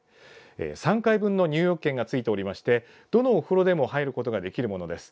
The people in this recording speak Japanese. ３回分の入浴券がついていてどのお風呂でも入ることができるものです。